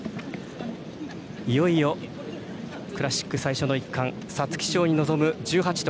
いよいよクラシック最初の一冠皐月賞に臨む１８頭。